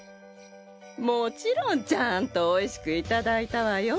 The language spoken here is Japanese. もちろんちゃんとおいしくいただいたわよ。